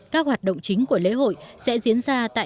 các hoạt động chính của lễ hội sẽ diễn ra trong lúc này